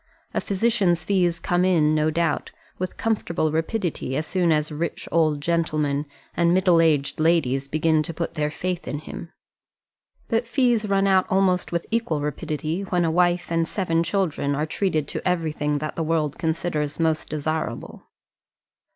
A physician's fees come in, no doubt, with comfortable rapidity as soon as rich old gentlemen and middle aged ladies begin to put their faith in him; but fees run out almost with equal rapidity when a wife and seven children are treated to everything that the world considers most desirable.